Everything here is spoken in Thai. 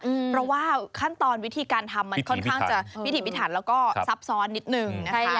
เพราะว่าขั้นตอนวิธีการทำมันค่อนข้างจะพิถีพิถันแล้วก็ซับซ้อนนิดนึงนะคะ